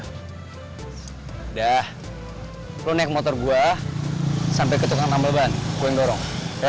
udah lo naik motor gue sampe ke tukang tambel ban gue yang dorong